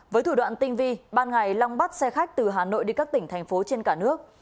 với thủ đoạn tinh vi ban ngày long bắt xe khách từ hà nội đi các tỉnh thành phố trên cả nước